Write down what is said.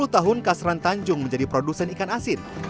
sepuluh tahun kasran tanjung menjadi produsen ikan asin